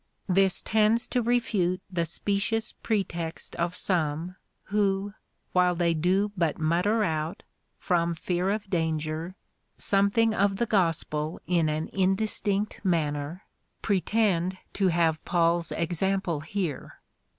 This tends to refute the specious pretext of some, who, while they do but mutter out, from fear of danger, something of the gospel in an in distinct manner,^ pretend to have Paul's example here.